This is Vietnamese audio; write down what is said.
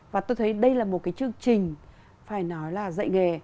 và tôi thấy đây là một cái chương trình phải nói là dạy nghề